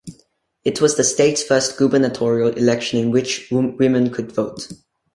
It was the state's first gubernatorial election in which women could vote.